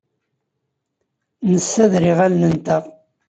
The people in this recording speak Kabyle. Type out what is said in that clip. Nessader iɣallen-nteɣ.